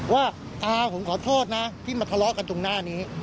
ว่าตาผมขอโทษนะที่มาทะเลาะกันตรงหน้านี้